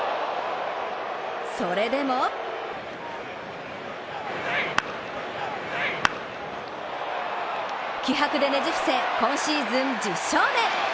それでも気迫でねじ伏せ、今シーズン１０勝目。